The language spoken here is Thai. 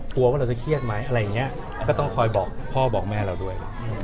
ว่าเราจะเครียดไหมอะไรอย่างนี้ก็ต้องคอยบอกพ่อบอกแม่เราด้วย